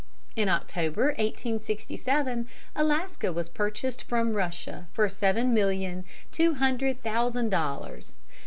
In October, 1867, Alaska was purchased from Russia for seven million two hundred thousand dollars.